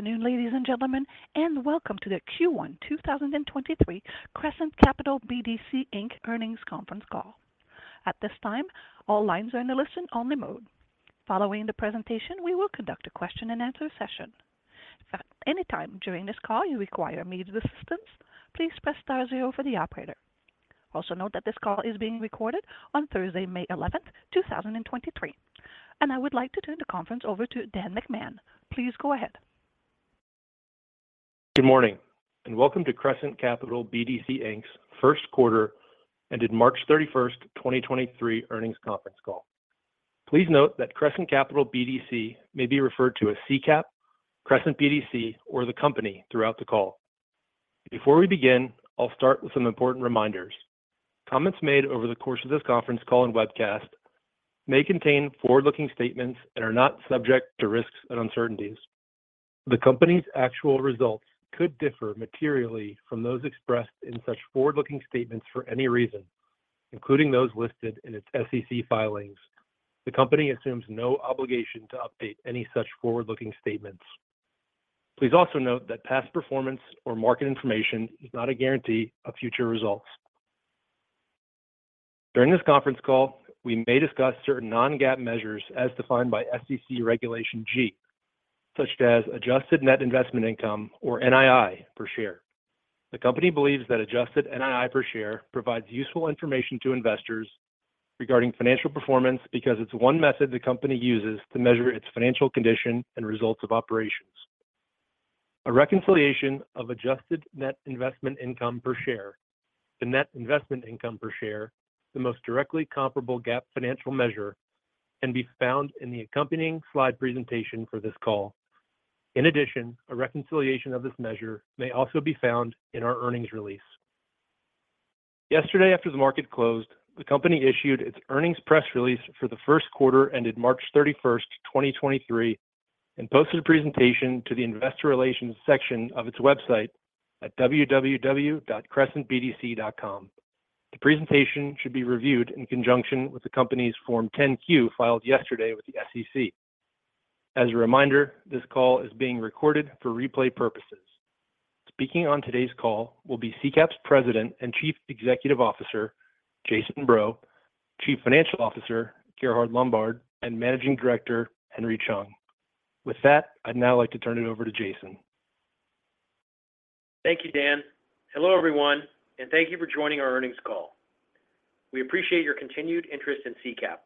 Good afternoon, ladies and gentlemen, and welcome to the Q1 2023 Crescent Capital BDC Inc Earnings Conference Call. At this time, all lines are in a listen-only mode. Following the presentation, we will conduct a question-and-answer session. If at any time during this call you require immediate assistance, please press star zero for the operator. Also note that this call is being recorded on Thursday, May 11, 2023. I would like to turn the conference over to Dan McMahon. Please go ahead. Welcome to Crescent Capital BDC Inc's first quarter ended March 31, 2023 earnings conference call. Please note that Crescent Capital BDC may be referred to as CCAP, Crescent BDC, or the company throughout the call. Before we begin, I'll start with some important reminders. Comments made over the course of this conference call and webcast may contain forward-looking statements and are not subject to risks and uncertainties. The company's actual results could differ materially from those expressed in such forward-looking statements for any reason, including those listed in its SEC filings. The company assumes no obligation to update any such forward-looking statements. Please also note that past performance or market information is not a guarantee of future results. During this conference call, we may discuss certain non-GAAP measures as defined by SEC Regulation G, such as adjusted net investment income or NII per share. The company believes that adjusted NII per share provides useful information to investors regarding financial performance because it's one method the company uses to measure its financial condition and results of operations. A reconciliation of adjusted net investment income per share, the net investment income per share, the most directly comparable GAAP financial measure, can be found in the accompanying slide presentation for this call. In addition, a reconciliation of this measure may also be found in our earnings release. Yesterday, after the market closed, the company issued its earnings press release for the first quarter ended March 31st, 2023, and posted a presentation to the Investor Relations section of its website at www.crescentbdc.com. The presentation should be reviewed in conjunction with the company's Form 10-Q filed yesterday with the SEC. As a reminder, this call is being recorded for replay purposes. Speaking on today's call will be CCAP's President and Chief Executive Officer, Jason Breaux, Chief Financial Officer, Gerhard Lombard, and Managing Director, Henry Chung. With that, I'd now like to turn it over to Jason. Thank you, Dan. Hello, everyone, thank you for joining our earnings call. We appreciate your continued interest in CCAP.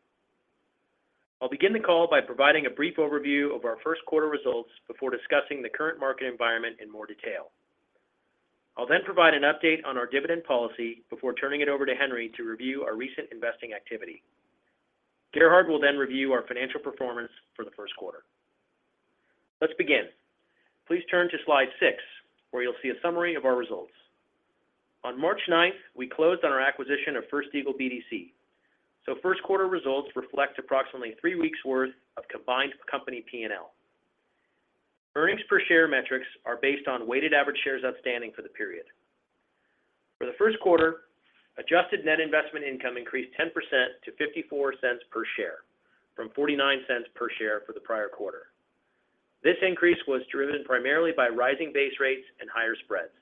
I'll begin the call by providing a brief overview of our first quarter results before discussing the current market environment in more detail. I'll provide an update on our dividend policy before turning it over to Henry to review our recent investing activity. Gerhard will review our financial performance for the first quarter. Let's begin. Please turn to Slide Six, where you'll see a summary of our results. On March 9th, we closed on our acquisition of First Eagle BDC, so first quarter results reflect approximately three weeks' worth of combined company P&L. Earnings per share metrics are based on weighted average shares outstanding for the period. For the first quarter, adjusted net investment income increased 10% to $0.54 per share from $0.49 per share for the prior quarter. This increase was driven primarily by rising base rates and higher spreads.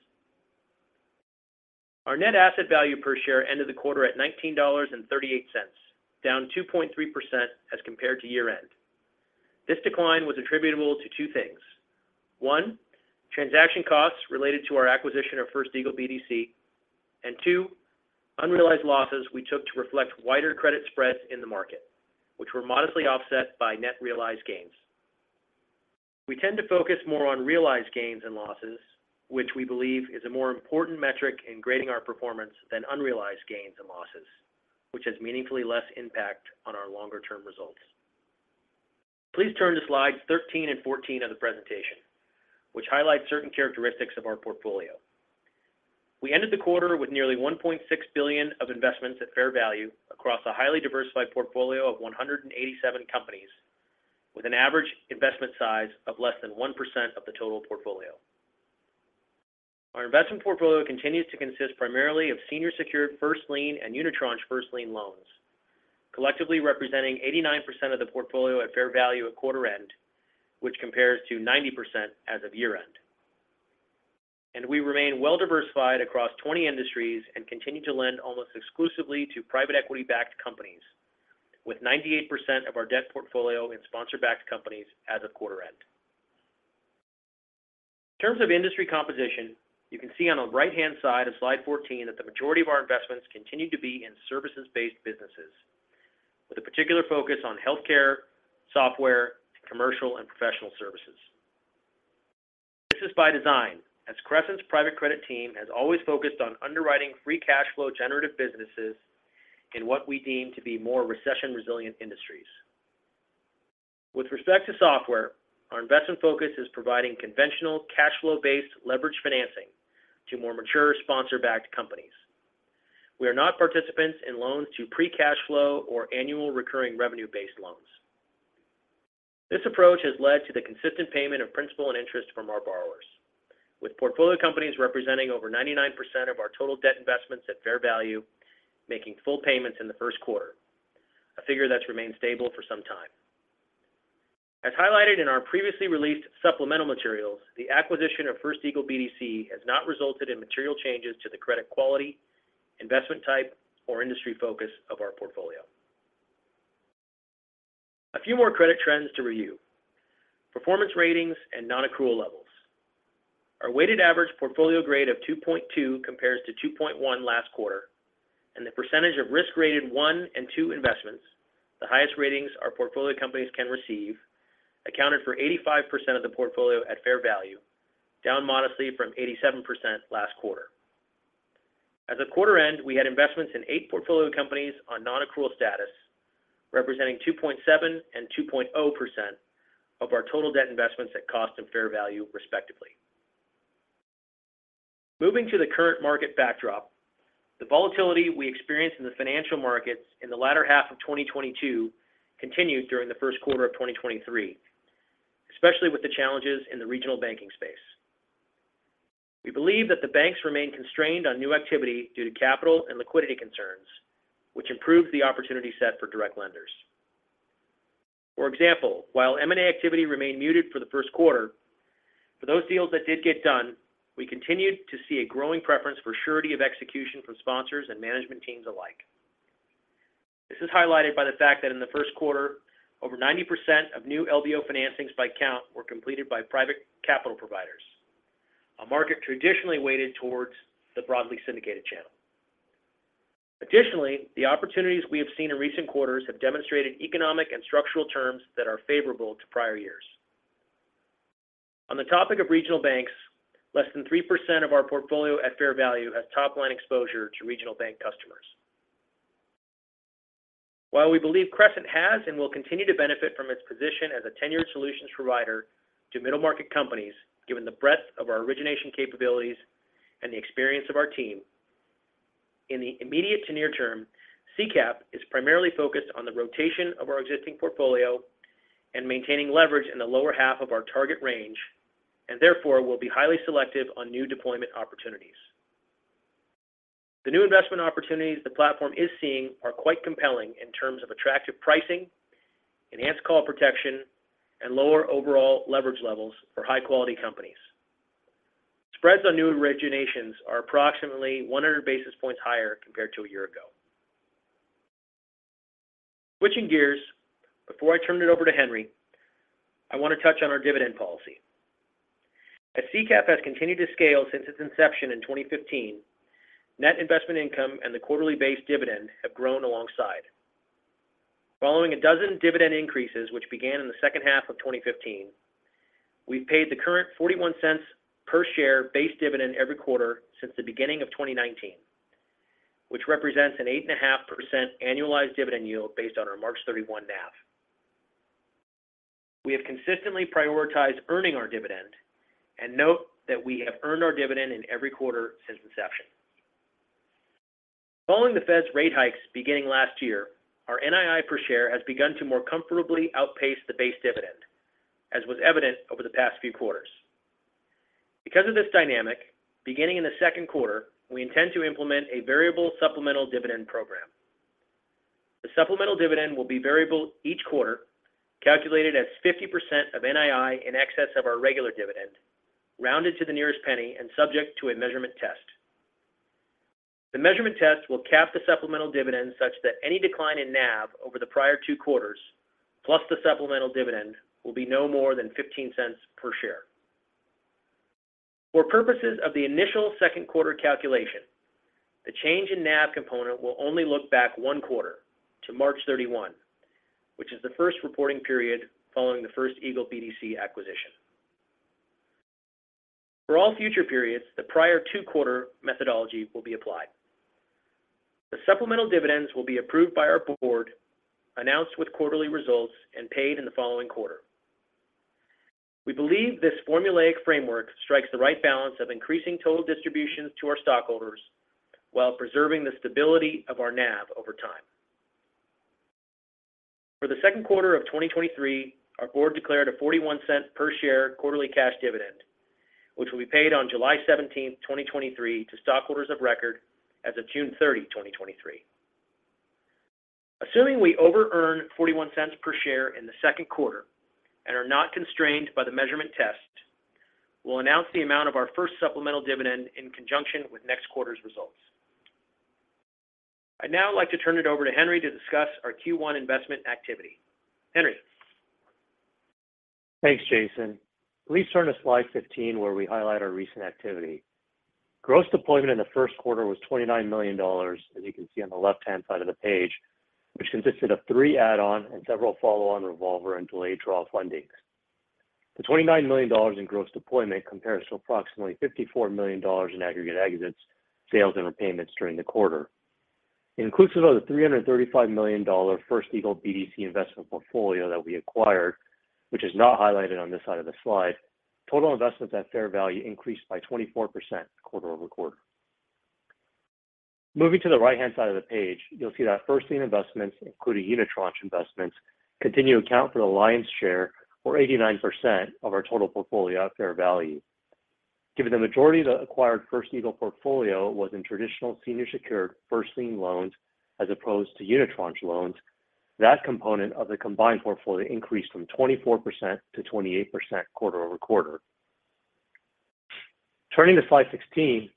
Our net asset value per share ended the quarter at $19.38, down 2.3% as compared to year-end. This decline was attributable to two things. One, transaction costs related to our acquisition of First Eagle BDC. Two, unrealized losses we took to reflect wider credit spreads in the market, which were modestly offset by net realized gains. We tend to focus more on realized gains and losses, which we believe is a more important metric in grading our performance than unrealized gains and losses, which has meaningfully less impact on our longer-term results. Please turn to Slides 13 and 14 of the presentation, which highlight certain characteristics of our portfolio. We ended the quarter with nearly $1.6 billion of investments at fair value across a highly diversified portfolio of 187 companies, with an average investment size of less than 1% of the total portfolio. Our investment portfolio continues to consist primarily of senior secured first lien and unitranche first lien loans, collectively representing 89% of the portfolio at fair value at quarter end, which compares to 90% as of year end. We remain well diversified across 20 industries and continue to lend almost exclusively to private equity-backed companies, with 98% of our debt portfolio in sponsor-backed companies as of quarter end. In terms of industry composition, you can see on the right-hand side of Slide 14 that the majority of our investments continue to be in services-based businesses, with a particular focus on healthcare, software, commercial, and professional services. This is by design, as Crescent's private credit team has always focused on underwriting free cash flow generative businesses in what we deem to be more recession-resilient industries. With respect to software, our investment focus is providing conventional cash flow-based leverage financing to more mature sponsor-backed companies. We are not participants in loans to pre-cash flow or annual recurring revenue-based loans. This approach has led to the consistent payment of principal and interest from our borrowers, with portfolio companies representing over 99% of our total debt investments at fair value making full payments in the first quarter. A figure that's remained stable for some time. As highlighted in our previously released supplemental materials, the acquisition of First Eagle BDC has not resulted in material changes to the credit quality, investment type, or industry focus of our portfolio. A few more credit trends to review. Performance ratings and non-accrual levels. Our weighted average portfolio grade of 2.2 compares to 2.1 last quarter. The percentage of risk rated one and two investments, the highest ratings our portfolio companies can receive, accounted for 85% of the portfolio at fair value, down modestly from 87% last quarter. As a quarter end, we had investments in eight portfolio companies on non-accrual status, representing 2.7% and 2.0% of our total debt investments at cost and fair value, respectively. Moving to the current market backdrop, the volatility we experienced in the financial markets in the latter half of 2022 continued during the first quarter of 2023, especially with the challenges in the regional banking space. We believe that the banks remain constrained on new activity due to capital and liquidity concerns, which improves the opportunity set for direct lenders. For example, while M&A activity remained muted for the first quarter, for those deals that did get done, we continued to see a growing preference for surety of execution from sponsors and management teams alike. This is highlighted by the fact that in the first quarter, over 90% of new LBO financings by count were completed by private capital providers, a market traditionally weighted towards the broadly syndicated channel. Additionally, the opportunities we have seen in recent quarters have demonstrated economic and structural terms that are favorable to prior years. On the topic of regional banks, less than 3% of our portfolio at fair value has top-line exposure to regional bank customers. While we believe Crescent has and will continue to benefit from its position as a tenured solutions provider to middle market companies, given the breadth of our origination capabilities and the experience of our team, in the immediate to near term, CCAP is primarily focused on the rotation of our existing portfolio and maintaining leverage in the lower half of our target range, and therefore will be highly selective on new deployment opportunities. The new investment opportunities the platform is seeing are quite compelling in terms of attractive pricing, enhanced call protection, and lower overall leverage levels for high-quality companies. Spreads on new originations are approximately 100 basis points higher compared to a year ago. Switching gears, before I turn it over to Henry, I want to touch on our dividend policy. As CCAP has continued to scale since its inception in 2015, net investment income and the quarterly base dividend have grown alongside. Following 12 dividend increases, which began in the second half of 2015, we've paid the current $0.41 per share base dividend every quarter since the beginning of 2019. Which represents an 8.5% annualized dividend yield based on our March 31 NAV. We have consistently prioritized earning our dividend, and note that we have earned our dividend in every quarter since inception. Following the Fed's rate hikes beginning last year, our NII per share has begun to more comfortably outpace the base dividend, as was evident over the past few quarters. Because of this dynamic, beginning in the second quarter, we intend to implement a variable supplemental dividend program. The supplemental dividend will be variable each quarter, calculated as 50% of NII in excess of our regular dividend, rounded to the nearest penny, and subject to a measurement test. The measurement test will cap the supplemental dividend such that any decline in NAV over the prior two quarters, plus the supplemental dividend, will be no more than $0.15 per share. For purposes of the initial second quarter calculation, the change in NAV component will only look back one quarter to March 31, which is the first reporting period following the First Eagle BDC acquisition. For all future periods, the prior two-quarter methodology will be applied. The supplemental dividends will be approved by our board, announced with quarterly results, and paid in the following quarter. We believe this formulaic framework strikes the right balance of increasing total distributions to our stockholders while preserving the stability of our NAV over time. For the second quarter of 2023, our board declared a $0.41 per share quarterly cash dividend, which will be paid on July 17, 2023 to stockholders of record as of June 30, 2023. Assuming we over-earn $0.41 per share in the second quarter and are not constrained by the measurement test, we'll announce the amount of our first supplemental dividend in conjunction with next quarter's results. I'd now like to turn it over to Henry to discuss our Q1 investment activity. Henry. Thanks, Jason. Please turn to Slide 15 where we highlight our recent activity. Gross deployment in the first quarter was $29 million, as you can see on the left-hand side of the page, which consisted of three add-on and several follow-on revolver and delayed draw fundings. The $29 million in gross deployment compares to approximately $54 million in aggregate exits, sales, and repayments during the quarter. Inclusive of the $335 million First Eagle BDC investment portfolio that we acquired, which is not highlighted on this side of the slide, total investments at fair value increased by 24% quarter-over-quarter. Moving to the right-hand side of the page, you'll see that first lien investments, including unitranche investments, continue to account for the lion's share or 89% of our total portfolio at fair value. Given the majority of the acquired First Eagle portfolio was in traditional senior secured first lien loans as opposed to unitranche loans, that component of the combined portfolio increased from 24% to 28% quarter-over-quarter. Turning to Slide 16,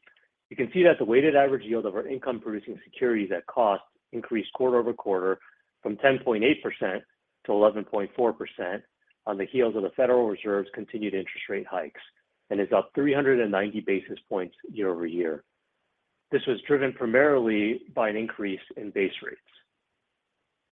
you can see that the weighted average yield of our income producing securities at cost increased quarter-over-quarter from 10.8% to 11.4% on the heels of the Federal Reserve's continued interest rate hikes, and is up 390 basis points year-over-year. This was driven primarily by an increase in base rates.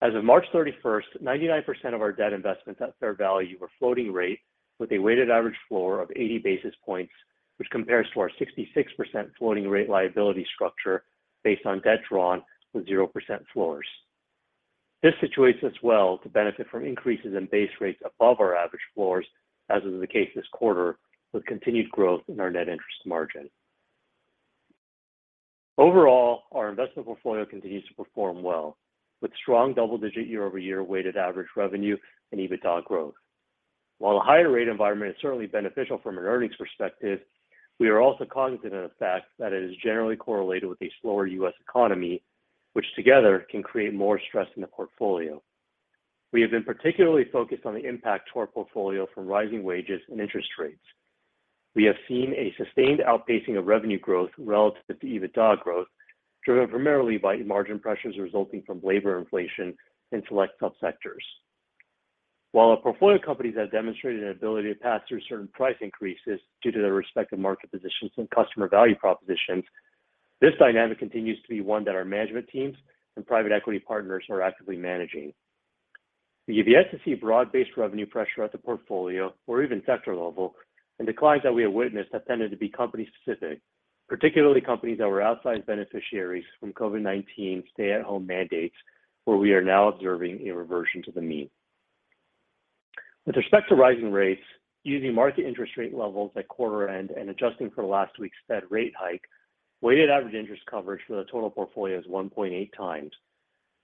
As of March 31st, 99% of our debt investments at fair value were floating rate with a weighted average floor of 80 basis points, which compares to our 66% floating rate liability structure based on debt drawn with 0% floors. This situates us well to benefit from increases in base rates above our average floors, as is the case this quarter, with continued growth in our net interest margin. Overall, our investment portfolio continues to perform well with strong double-digit year-over-year weighted average revenue and EBITDA growth. While a higher rate environment is certainly beneficial from an earnings perspective, we are also cognizant of the fact that it is generally correlated with a slower U.S. economy, which together can create more stress in the portfolio. We have been particularly focused on the impact to our portfolio from rising wages and interest rates. We have seen a sustained outpacing of revenue growth relative to EBITDA growth, driven primarily by margin pressures resulting from labor inflation in select subsectors. While our portfolio companies have demonstrated an ability to pass through certain price increases due to their respective market positions and customer value propositions, this dynamic continues to be one that our management teams and private equity partners are actively managing. We have yet to see broad-based revenue pressure at the portfolio or even sector level. Declines that we have witnessed have tended to be company specific, particularly companies that were outsized beneficiaries from COVID-19 stay-at-home mandates, where we are now observing a reversion to the mean. With respect to rising rates, using market interest rate levels at quarter end and adjusting for last week's Fed rate hike, weighted average interest coverage for the total portfolio is 1.8x.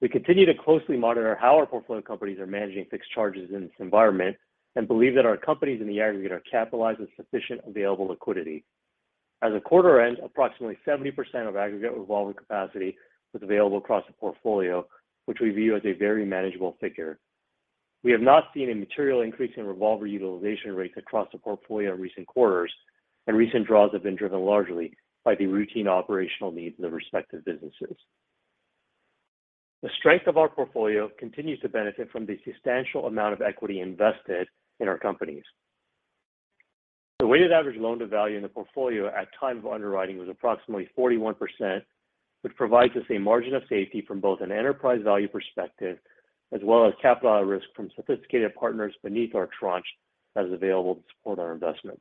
We continue to closely monitor how our portfolio companies are managing fixed charges in this environment and believe that our companies in the aggregate are capitalized with sufficient available liquidity. As of quarter end, approximately 70% of aggregate revolving capacity was available across the portfolio, which we view as a very manageable figure. We have not seen a material increase in revolver utilization rates across the portfolio in recent quarters, and recent draws have been driven largely by the routine operational needs of the respective businesses. The strength of our portfolio continues to benefit from the substantial amount of equity invested in our companies. The weighted average loan to value in the portfolio at time of underwriting was approximately 41%, which provides us a margin of safety from both an enterprise value perspective as well as capital at risk from sophisticated partners beneath our tranche that is available to support our investments.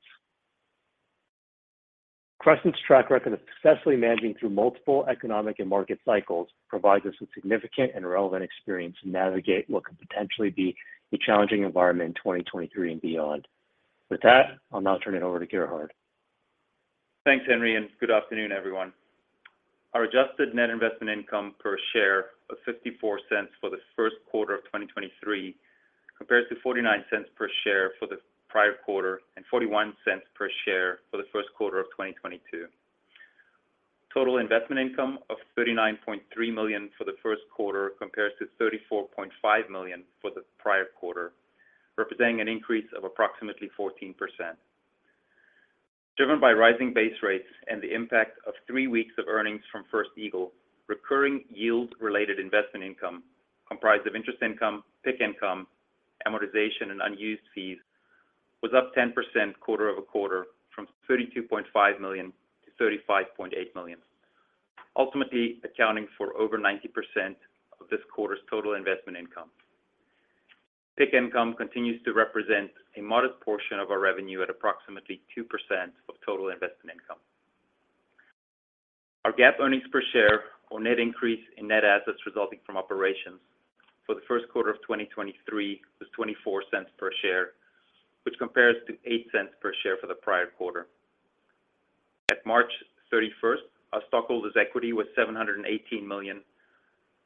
Crescent's track record of successfully managing through multiple economic and market cycles provides us with significant and relevant experience to navigate what could potentially be a challenging environment in 2023 and beyond. With that, I'll now turn it over to Gerhard. Thanks, Henry. Good afternoon, everyone. Our adjusted net investment income per share of $0.54 for the first quarter of 2023 compares to $0.49 per share for the prior quarter and $0.41 per share for the first quarter of 2022. Total investment income of $39.3 million for the first quarter compares to $34.5 million for the prior quarter, representing an increase of approximately 14%. Driven by rising base rates and the impact of three weeks of earnings from First Eagle, recurring yield-related investment income comprised of interest income, PIK income, amortization, and unused fees, was up 10% quarter-over-quarter from $32.5 million-$35.8 million. Ultimately accounting for over 90% of this quarter's total investment income. PIK income continues to represent a modest portion of our revenue at approximately 2% of total investment income. Our GAAP earnings per share or net increase in net assets resulting from operations for the first quarter of 2023 was $0.24 per share, which compares to $0.08 per share for the prior quarter. At March 31st, our stockholders' equity was $718 million,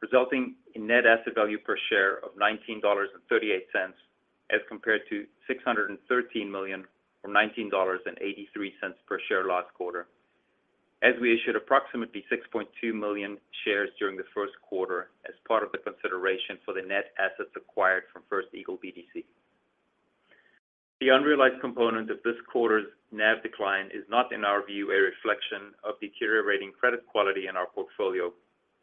resulting in net asset value per share of $19.38 as compared to $613 million from $19.83 per share last quarter as we issued approximately 6.2 million shares during the first quarter as part of the consideration for the net assets acquired from First Eagle BDC. The unrealized component of this quarter's NAV decline is not, in our view, a reflection of deteriorating credit quality in our portfolio,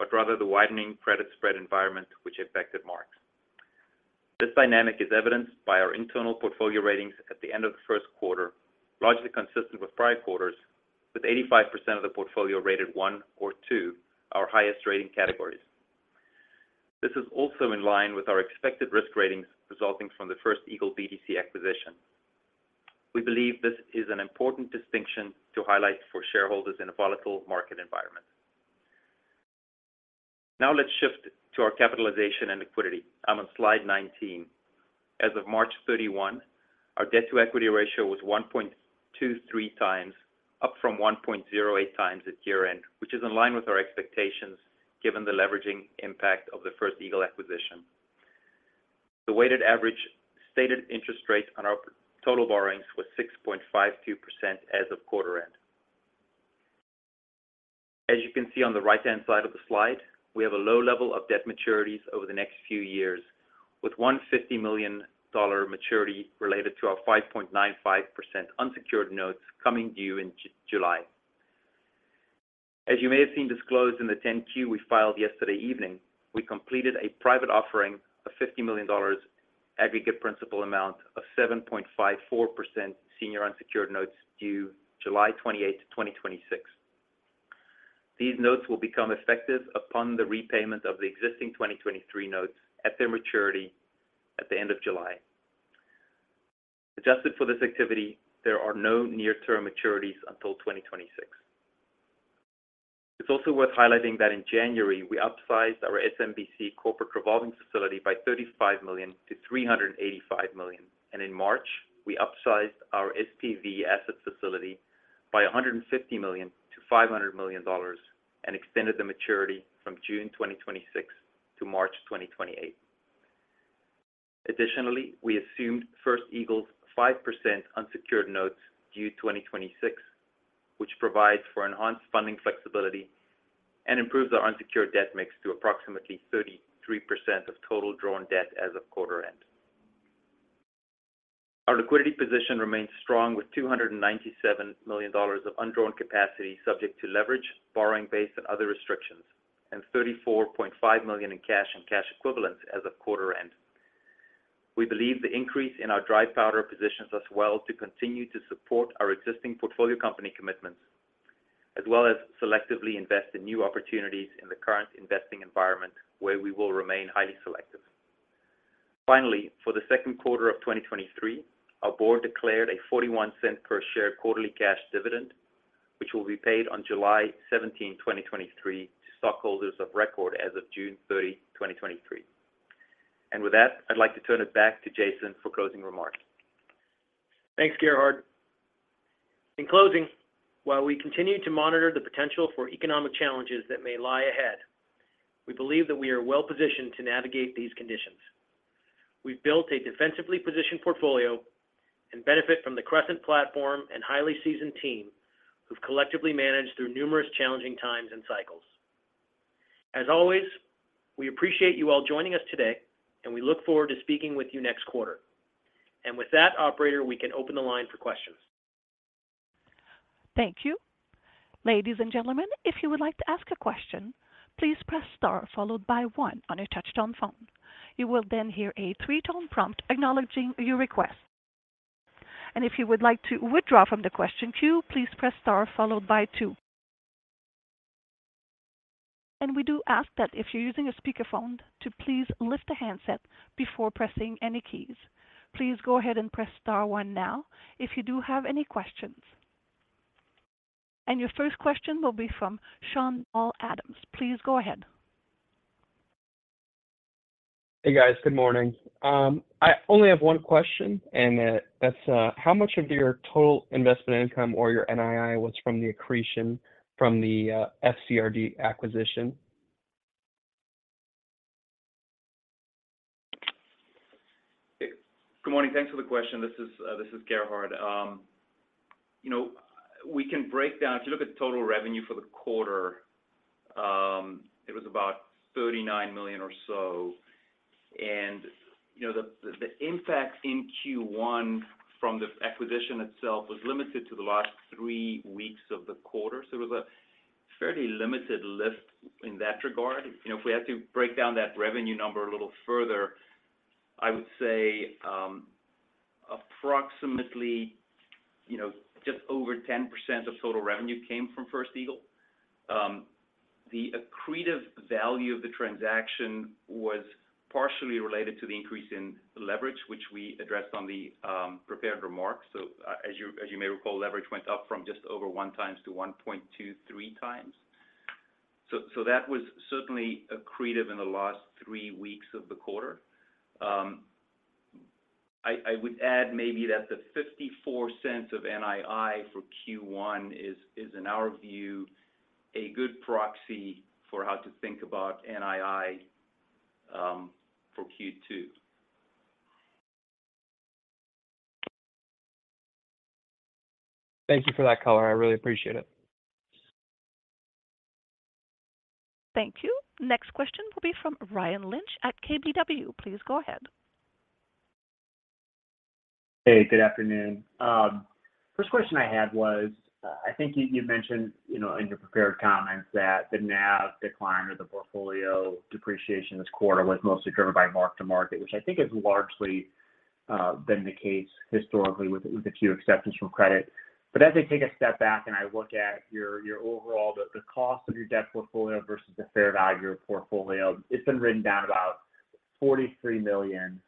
but rather the widening credit spread environment which affected marks. This dynamic is evidenced by our internal portfolio ratings at the end of the first quarter, largely consistent with prior quarters, with 85% of the portfolio rated one or two, our highest rating categories. This is also in line with our expected risk ratings resulting from the First Eagle BDC acquisition. We believe this is an important distinction to highlight for shareholders in a volatile market environment. Let's shift to our capitalization and liquidity. I'm on Slide 19. As of March 31, our debt to equity ratio was 1.23x, up from 1.08x at year-end, which is in line with our expectations given the leveraging impact of the First Eagle acquisition. The weighted average stated interest rates on our total borrowings was 6.52% as of quarter end. As you can see on the right-hand side of the slide, we have a low level of debt maturities over the next few years, with a $150 million maturity related to our 5.95% unsecured notes coming due in July. As you may have seen disclosed in the 10-Q we filed yesterday evening, we completed a private offering of $50 million aggregate principal amount of 7.54% senior unsecured notes due July 28, 2026. These notes will become effective upon the repayment of the existing 2023 notes at their maturity at the end of July. Adjusted for this activity, there are no near term maturities until 2026. It's also worth highlighting that in January, we upsized our SMBC corporate revolving facility by $35 million to $385 million, and in March, we upsized our SPV asset facility by $150 million to $500 million and extended the maturity from June 2026 to March 2028. We assumed First Eagle's 5% unsecured notes due 2026, which provides for enhanced funding flexibility and improves our unsecured debt mix to approximately 33% of total drawn debt as of quarter end. Our liquidity position remains strong with $297 million of undrawn capacity subject to leverage, borrowing base and other restrictions, and $34.5 million in cash and cash equivalents as of quarter end. We believe the increase in our dry powder positions as well to continue to support our existing portfolio company commitments, as well as selectively invest in new opportunities in the current investing environment where we will remain highly selective. For the second quarter of 2023, our board declared a $0.41 per share quarterly cash dividend, which will be paid on July 17, 2023 to stockholders of record as of June 30, 2023. With that, I'd like to turn it back to Jason for closing remarks. Thanks, Gerhard. In closing, while we continue to monitor the potential for economic challenges that may lie ahead, we believe that we are well-positioned to navigate these conditions. We've built a defensively positioned portfolio and benefit from the Crescent platform and highly seasoned team who've collectively managed through numerous challenging times and cycles. As always, we appreciate you all joining us today, and we look forward to speaking with you next quarter. With that, operator, we can open the line for questions. Thank you. Ladies and gentlemen, if you would like to ask a question, please press star followed by one on your touch-tone phone. You will then hear a three-tone prompt acknowledging your request. If you would like to withdraw from the question queue, please press star followed by two. We do ask that if you're using a speakerphone to please lift the handset before pressing any keys. Please go ahead and press star one now if you do have any questions. Your first question will be from Sean-Paul Adams. Please go ahead. Hey, guys. Good morning. I only have one question, and that's, how much of your total investment income or your NII was from the accretion from the First Eagle BDC acquisition? Good morning. Thanks for the question. This is Gerhard. You know, we can break down. If you look at total revenue for the quarter, it was about $39 million or so. You know, the impact in Q1 from the acquisition itself was limited to the last three weeks of the quarter. It was a fairly limited lift in that regard. You know, if we had to break down that revenue number a little further, I would say, approximately, you know, just over 10% of total revenue came from First Eagle. The accretive value of the transaction was partially related to the increase in leverage, which we addressed on the prepared remarks. As you may recall, leverage went up from just over 1x to 1.23x. That was certainly accretive in the last three weeks of the quarter. I would add maybe that the $0.54 of NII for Q1 is, in our view, a good proxy for how to think about NII for Q2. Thank you for that color. I really appreciate it. Thank you. Next question will be from Ryan Lynch at KBW. Please go ahead. Hey, good afternoon. First question I had was, I think you mentioned, you know, in your prepared comments that the NAV decline or the portfolio depreciation this quarter was mostly driven by mark-to-market, which I think has largely been the case historically with a few exceptions from credit. As I take a step back and I look at your overall the cost of your debt portfolio versus the fair value of portfolio, it's been written down about $43 million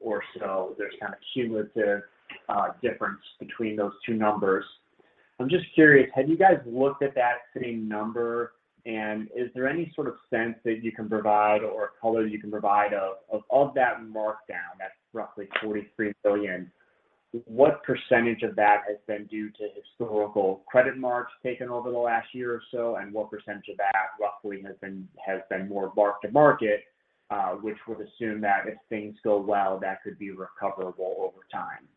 or so. There's kind of cumulative difference between those two numbers. I'm just curious, have you guys looked at that same number? Is there any sort of sense that you can provide or color you can provide of that mark down roughly $43 billion? What percent of that has been due to historical credit marks taken over the last year or so? What percent of that roughly has been more mark to market, which would assume that if things go well, that could be recoverable over time?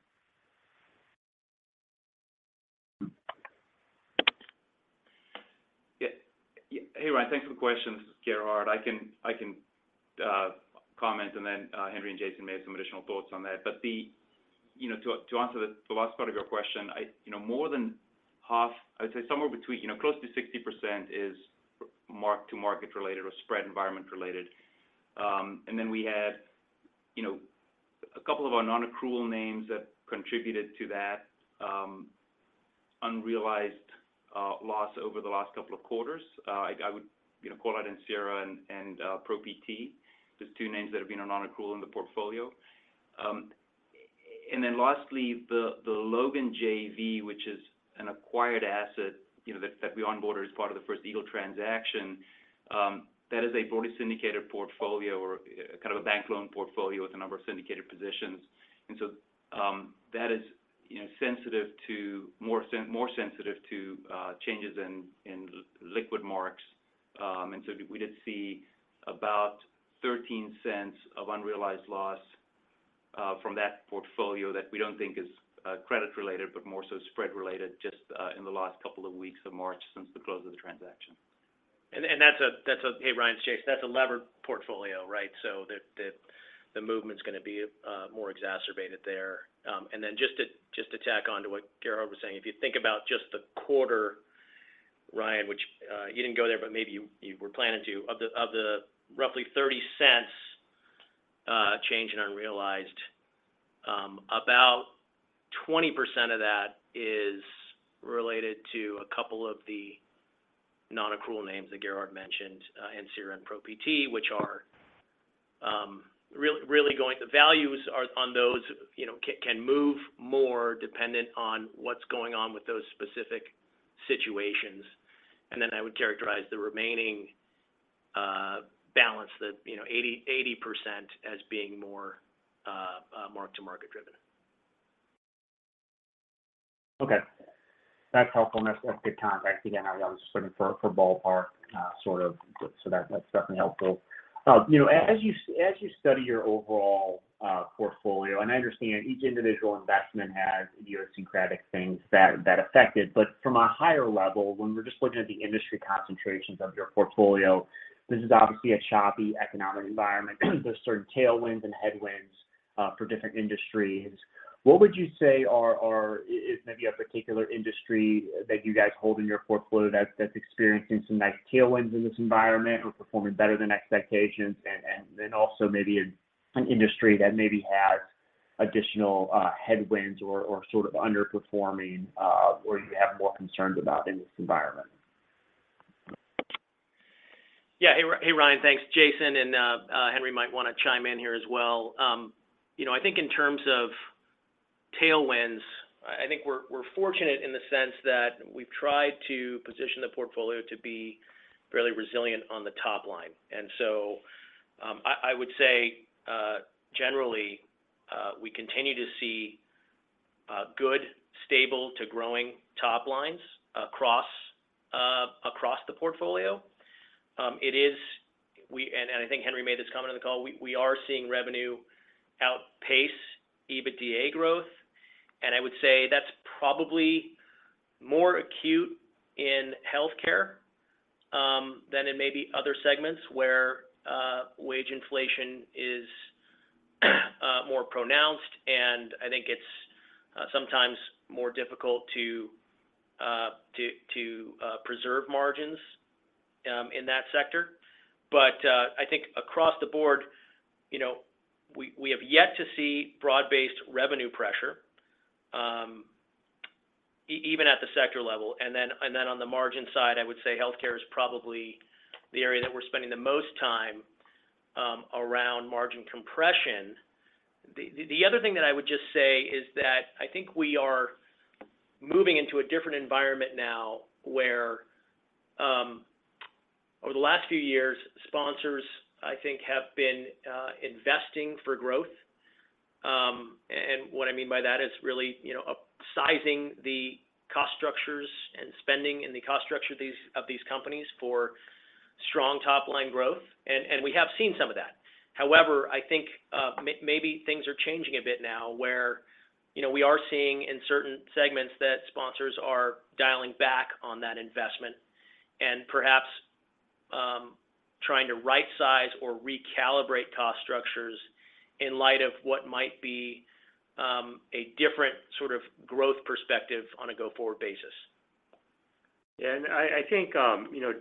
Yeah. Hey, Ryan. Thanks for the question. This is Gerhard. I can comment, Henry and Jason may have some additional thoughts on that. You know, to answer the last part of your question, You know, more than half, I would say somewhere between, you know, close to 60% is mark to market related or spread environment related. We had, you know, a couple of our non-accrual names that contributed to that unrealized loss over the last couple of quarters. I would, you know, call out Ansira and Pro PT. Those two names that have been on non-accrual in the portfolio. Lastly, the Logan JV, which is an acquired asset, you know, that we onboarded as part of the First Eagle transaction, that is a broadly syndicated portfolio or kind of a bank loan portfolio with a number of syndicated positions. That is, you know, sensitive to more sensitive to changes in liquid marks. We did see about $0.13 of unrealized loss from that portfolio that we don't think is credit related, but more so spread related just in the last couple of weeks of March since the close of the transaction. Hey, Ryan Lynch, it's Jason Breaux. That's a levered portfolio, right? The movement's gonna be more exacerbated there. Just to tack on to what Gerhard Lombard was saying, if you think about just the quarter, Ryan Lynch, which you didn't go there, but maybe you were planning to. Of the roughly $0.30 change in unrealized, about 20% of that is related to a couple of the non-accrual names that Gerhard Lombard mentioned, Ansira and Pro PT, which are really going, the values are on those, you know, can move more dependent on what's going on with those specific situations. I would characterize the remaining balance that, you know, 80% as being more mark to market driven. Okay. That's helpful. That's good context. Again, I was just looking for ballpark, sort of, that's definitely helpful. You know, as you study your overall portfolio, and I understand each individual investment has idiosyncratic things that affect it. From a higher level, when we're just looking at the industry concentrations of your portfolio, this is obviously a choppy economic environment. There's certain tailwinds and headwinds for different industries. What would you say is maybe a particular industry that you guys hold in your portfolio that's experiencing some nice tailwinds in this environment or performing better than expectations? Then also maybe an industry that has additional headwinds or sort of underperforming or you have more concerns about in this environment? Yeah. Hey, Ryan. Thanks. It's Jason and Henry might wanna chime in here as well. You know, I think in terms of tailwinds, I think we're fortunate in the sense that we've tried to position the portfolio to be fairly resilient on the top line. I would say, generally, we continue to see good, stable to growing top lines across the portfolio. I think Henry made this comment on the call. We are seeing revenue outpace EBITDA growth. I would say that's probably more acute in healthcare than in maybe other segments where wage inflation is more pronounced. I think it's sometimes more difficult to preserve margins in that sector. I think across the board, you know, we have yet to see broad-based revenue pressure, even at the sector level. On the margin side, I would say healthcare is probably the area that we're spending the most time, around margin compression. The other thing that I would just say is that I think we are moving into a different environment now where, over the last few years, sponsors, I think have been investing for growth. What I mean by that is really, you know, up-sizing the cost structures and spending in the cost structure of these companies for strong top-line growth. We have seen some of that. I think, maybe things are changing a bit now where, you know, we are seeing in certain segments that sponsors are dialing back on that investment and perhaps, trying to rightsize or recalibrate cost structures in light of what might be, a different sort of growth perspective on a go-forward basis. I think, you know,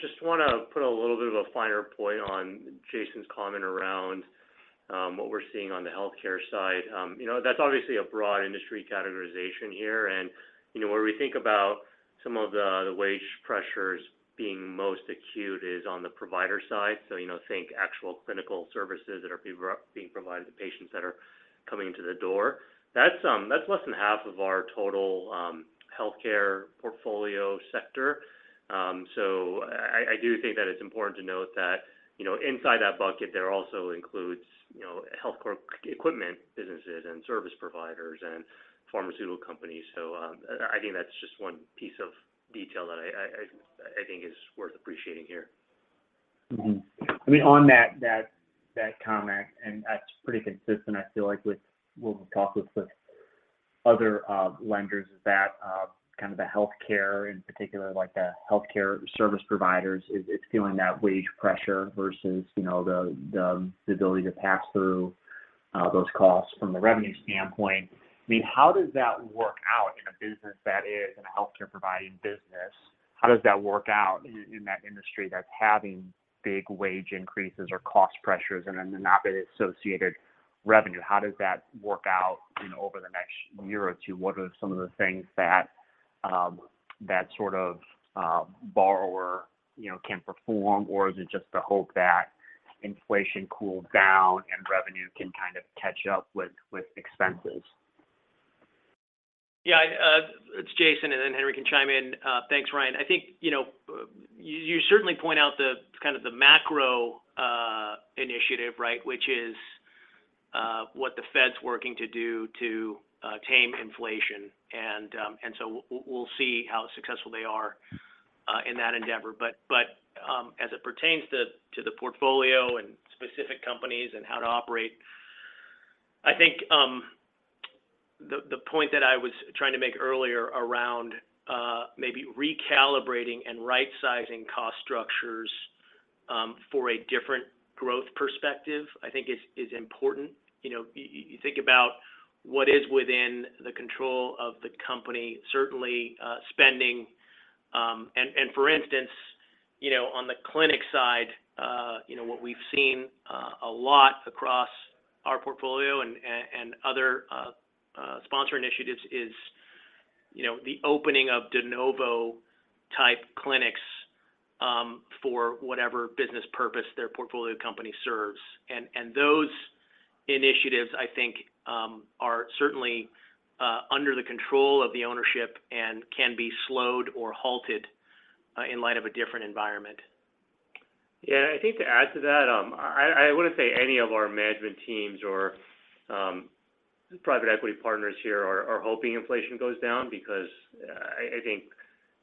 just wanna put a little bit of a finer point on Jason's comment around, what we're seeing on the healthcare side. You know, that's obviously a broad industry categorization here. You know, where we think about. Some of the wage pressures being most acute is on the provider side. You know, think actual clinical services that are being provided to patients that are coming into the door. That's, that's less than half of our total healthcare portfolio sector. I do think that it's important to note that, you know, inside that bucket there also includes, you know, health equipment businesses and service providers and pharmaceutical companies. I think that's just one piece of detail that I, I think is worth appreciating here. I mean, on that comment, and that's pretty consistent, I feel like with what we've talked with other lenders, is that kind of the healthcare in particular, like healthcare service providers is feeling that wage pressure versus, you know, the ability to pass through those costs from the revenue standpoint. I mean, how does that work out in a business that is in a healthcare providing business? How does that work out in that industry that's having big wage increases or cost pressures and then not the associated revenue? How does that work out, you know, over the next year or two? What are some of the things that that sort of borrower, you know, can perform? Or is it just the hope that inflation cools down and revenue can kind of catch up with expenses? Yeah. It's Jason, and then Henry can chime in. Thanks, Ryan. I think, you know, you certainly point out the kind of the macro initiative, right, which is what the Fed's working to do to tame inflation. So we'll see how successful they are in that endeavor. As it pertains to the portfolio and specific companies and how to operate, I think the point that I was trying to make earlier around maybe recalibrating and right-sizing cost structures for a different growth perspective, I think is important. You know, you think about what is within the control of the company, certainly, spending. For instance, you know, on the clinic side, you know, what we've seen a lot across our portfolio and other sponsor initiatives is, you know, the opening of de novo type clinics, for whatever business purpose their portfolio company serves. Those initiatives, I think, are certainly under the control of the ownership and can be slowed or halted in light of a different environment. Yeah. I think to add to that, I wouldn't say any of our management teams or private equity partners here are hoping inflation goes down because I think,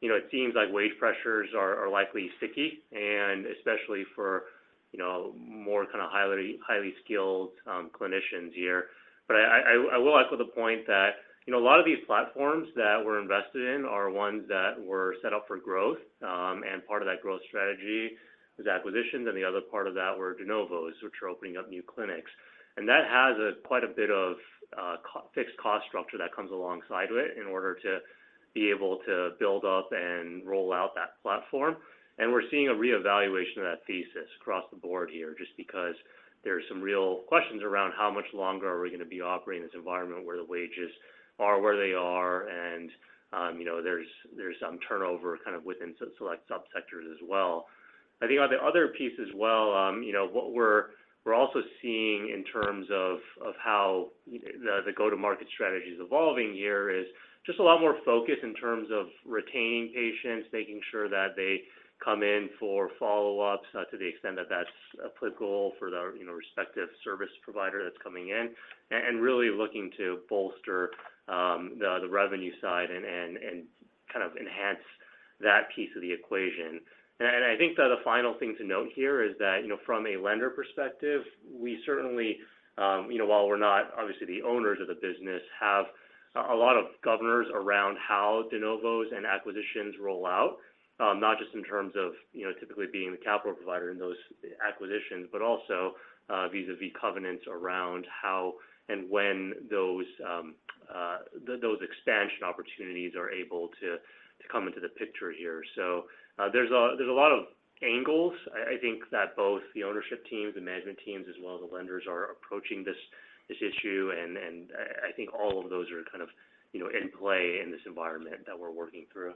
you know, it seems like wage pressures are likely sticky, and especially for, you know, more kind of highly skilled clinicians here. But I will echo the point that, you know, a lot of these platforms that we're invested in are ones that were set up for growth, and part of that growth strategy was acquisitions, and the other part of that were de novos, which are opening up new clinics. And that has quite a bit of fixed cost structure that comes alongside with it in order to be able to build up and roll out that platform. We're seeing a reevaluation of that thesis across the board here, just because there are some real questions around how much longer are we gonna be operating in this environment where the wages are where they are and, you know, there's some turnover kind of within select subsectors as well. I think on the other piece as well, you know, what we're also seeing in terms of how the go-to-market strategy is evolving here is just a lot more focus in terms of retaining patients, making sure that they come in for follow-ups, to the extent that that's applicable for the, you know, respective service provider that's coming in, and really looking to bolster the revenue side and kind of enhance that piece of the equation. I think the final thing to note here is that, you know, from a lender perspective, we certainly, you know, while we're not obviously the owners of the business, have a lot of governors around how de novos and acquisitions roll out, not just in terms of, you know, typically being the capital provider in those acquisitions, but also vis-à-vis covenants around how and when those expansion opportunities are able to come into the picture here. There's a lot of angles, I think, that both the ownership teams, the management teams, as well as the lenders are approaching this issue. I think all of those are kind of, you know, in play in this environment that we're working through.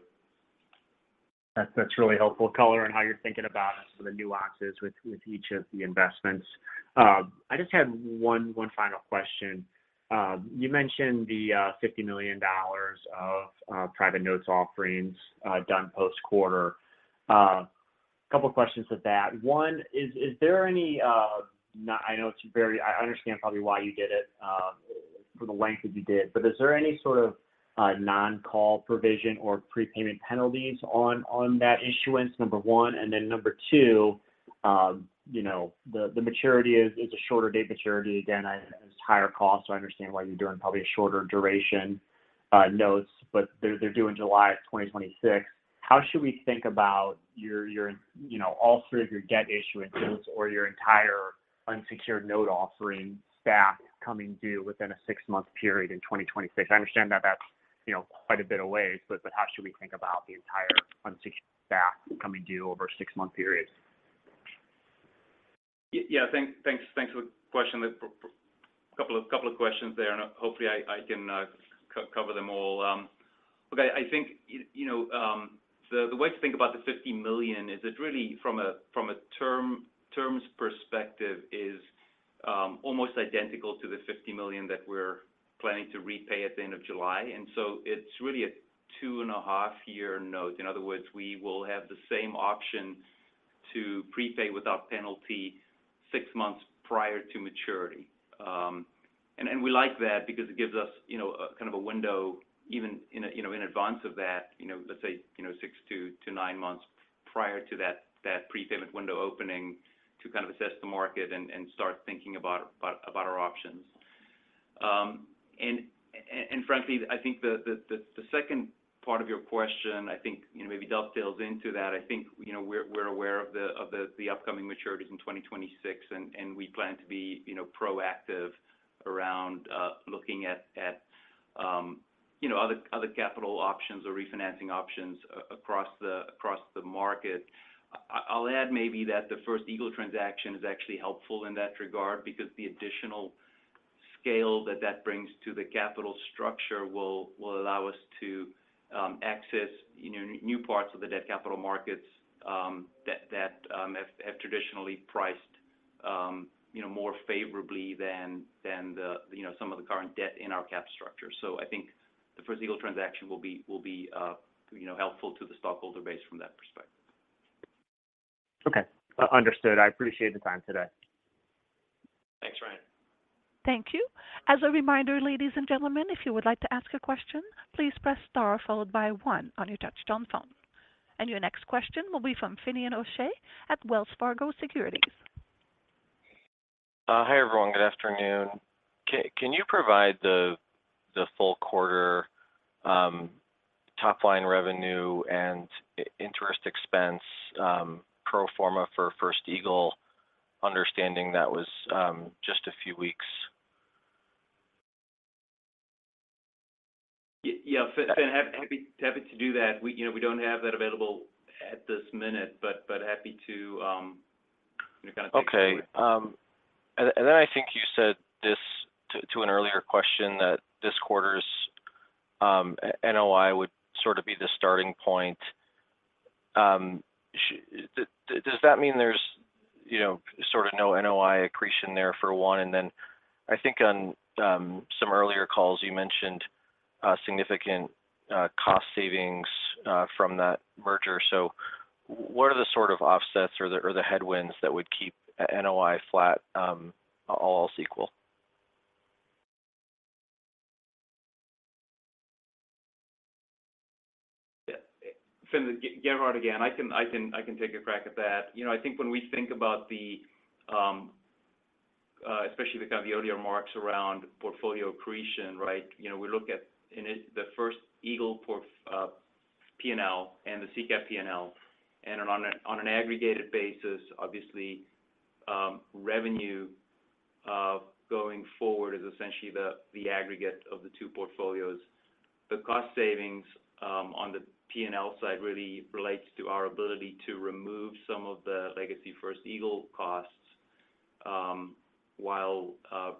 That's really helpful color on how you're thinking about some of the nuances with each of the investments. I just had one final question. You mentioned the $50 million of private notes offerings done post-quarter. Couple questions to that. One, is there any, now I know it's very, I understand probably why you did it for the length that you did. Is there any sort of non-call provision or prepayment penalties on that issuance, number one? Number two, you know, the maturity is, it's a shorter date maturity. Again, I, it's higher cost, so I understand why you're doing probably a shorter duration notes, but they're due in July of 2026. How should we think about your, you know, all three of your debt issuance notes or your entire unsecured note offering stack coming due within a six-month period in 2026? I understand that that's, you know, quite a bit away, but how should we think about the entire unsecured stack coming due over a six-month period? Yeah. Thanks for the question. There's a couple of questions there, and hopefully I can cover them all. Look, I think, you know, the way to think about the $50 million is it really from a terms perspective is almost identical to the $50 million that we're planning to repay at the end of July. It's really a two and half-year note. In other words, we will have the same option to prepay without penalty six months prior to maturity. And we like that because it gives us, you know, a kind of a window even in advance of that, you know, let's say, you know, six to nine months prior to that prepayment window opening to kind of assess the market and start thinking about our options. Frankly, I think the second part of your question I think, you know, maybe dovetails into that. I think, you know, we're aware of the upcoming maturities in 2026 and we plan to be, you know, proactive around looking at, you know, other capital options or refinancing options across the market. I'll add maybe that the First Eagle transaction is actually helpful in that regard because the additional scale that brings to the capital structure will allow us to access, you know, new parts of the debt capital markets, that have traditionally priced, you know, more favorably than the, you know, some of the current debt in our cap structure. I think the First Eagle transaction will be, you know, helpful to the stockholder base from that perspective. Okay. Understood. I appreciate the time today. Thanks, Ryan. Thank you. As a reminder, ladies and gentlemen, if you would like to ask a question, please press star followed by one on your touchtone phone. Your next question will be from Finian O'Shea at Wells Fargo Securities. Hi, everyone. Good afternoon. Can you provide the full quarter, top line revenue and interest expense, pro forma for First Eagle understanding that was just a few weeks? Yeah. Yeah. Fin, happy to do that. We, you know, we don't have that available at this minute, but happy to, you know, kind of take you through it. Okay. I think you said this to an earlier question that this quarter's NOI would sort of be the starting point. Does that mean there's, you know, sort of no NOI accretion there for one? I think on some earlier calls you mentioned significant cost savings from that merger. What are the sort of offsets or the, or the headwinds that would keep NOI flat, all else equal? Yeah. Fin, Gerhard again. I can take a crack at that. You know, I think when we think about the especially the kind of earlier remarks around portfolio accretion, right. You know, we look at in it the First Eagle P&L and the CCAP P&L. On an aggregated basis obviously, revenue going forward is essentially the aggregate of the two portfolios. The cost savings on the P&L side really relates to our ability to remove some of the legacy First Eagle costs while,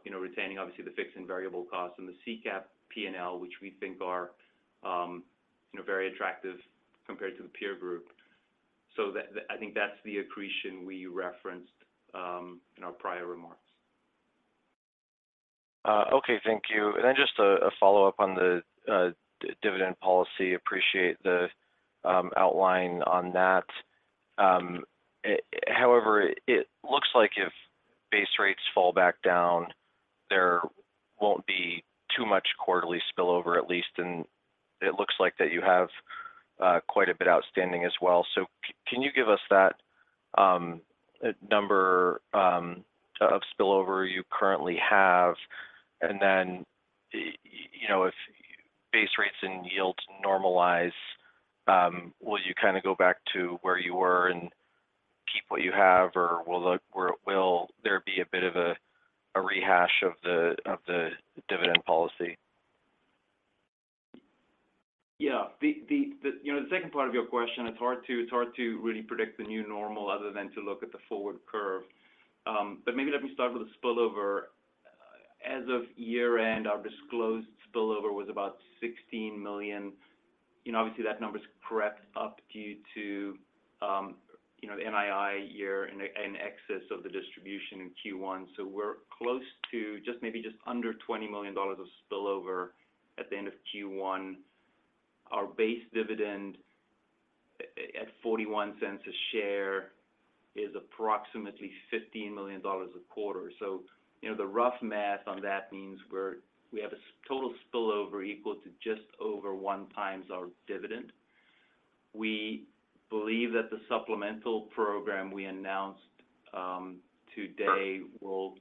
you know, retaining obviously the fixed and variable costs in the CCAP P&L, which we think are, you know, very attractive compared to the peer group. I think that's the accretion we referenced in our prior remarks. Okay. Thank you. Then just a follow-up on the dividend policy. Appreciate the outline on that. However, it looks like if base rates fall back down, there won't be too much quarterly spillover at least, and it looks like that you have quite a bit outstanding as well. Can you give us that number of spillover you currently have? Then, you know, if base rates and yields normalize, will you kind of go back to where you were and keep what you have or will there be a bit of a rehash of the dividend policy? Yeah. The, you know, the second part of your question, it's hard to, it's hard to really predict the new normal other than to look at the forward curve. Maybe let me start with the spillover. As of year-end, our disclosed spillover was about $16 million. You know, obviously that number's crept up due to, you know, NII year in excess of the distribution in Q1. We're close to just maybe just under $20 million of spillover at the end of Q1. Our base dividend at $0.41 a share is approximately $15 million a quarter. You know, the rough math on that means we have a total spillover equal to just over 1x our dividend. We believe that the supplemental program we announced today will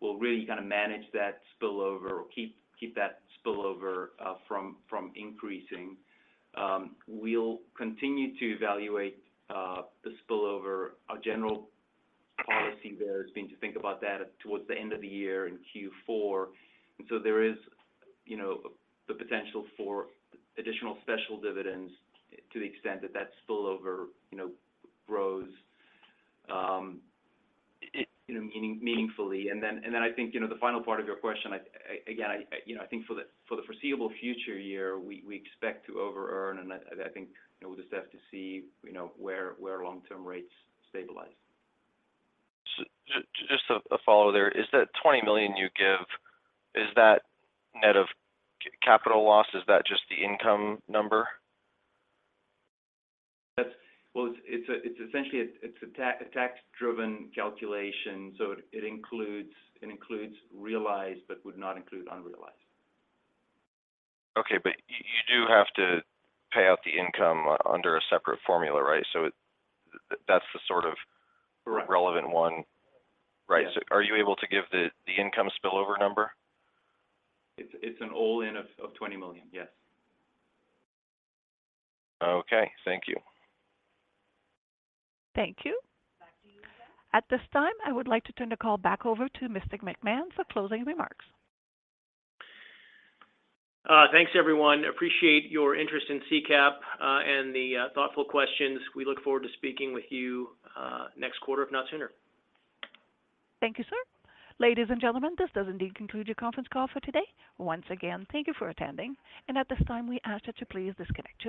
really kind of manage that spillover or keep that spillover from increasing. We'll continue to evaluate the spillover. Our general policy there has been to think about that towards the end of the year in Q4. There is, you know, the potential for additional special dividends to the extent that that spillover, you know, grows meaningfully. I think, you know, the final part of your question, again, I, you know, I think for the foreseeable future year, we expect to over earn and I think, you know, we'll just have to see, you know, where long-term rates stabilize. Just a follow there. Is that $20 million you give, is that net of capital loss, is that just the income number? Well, it's essentially it's a tax-driven calculation, so it includes realized but would not include unrealized. Okay. You do have to pay out the income under a separate formula, right? That's the sort of. Right. Relevant one. Right. Yeah. Are you able to give the income spillover number? It's an all-in of $20 million. Yes. Okay. Thank you. Thank you. Back to you, Jen. At this time, I would like to turn the call back over to Dan McMahon for closing remarks. Thanks, everyone. Appreciate your interest in CCAP, and the thoughtful questions. We look forward to speaking with you next quarter if not sooner. Thank you, sir. Ladies and gentlemen, this does indeed conclude your conference call for today. Once again, thank you for attending. At this time, we ask that you please disconnect your-